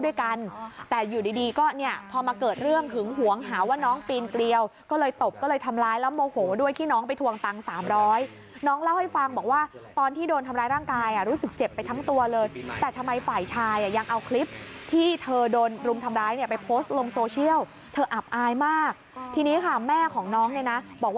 ด้วยกันแต่อยู่ดีดีก็เนี่ยพอมาเกิดเรื่องหึงหวงหาว่าน้องปีนเกลียวก็เลยตบก็เลยทำร้ายแล้วโมโหด้วยที่น้องไปทวงตังค์สามร้อยน้องเล่าให้ฟังบอกว่าตอนที่โดนทำร้ายร่างกายรู้สึกเจ็บไปทั้งตัวเลยแต่ทำไมฝ่ายชายอ่ะยังเอาคลิปที่เธอโดนรุมทำร้ายเนี่ยไปโพสต์ลงโซเชียลเธออับอายมากทีนี้ค่ะแม่ของน้องเนี่ยนะบอกว่า